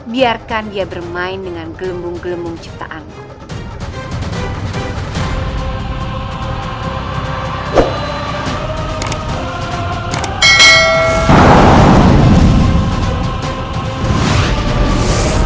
biarkan dia bermain dengan gelembung gelembung ciptaan